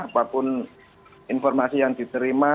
apapun informasi yang diterima